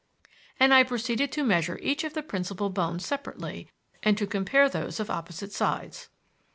And I proceeded to measure each of the principal bones separately and to compare those of the opposite sides.